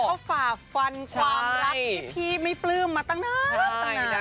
พวกนี้เขาฝ่าฟันความรักที่พี่ไม่ปลื้มมาตั้งนานนะครับใช่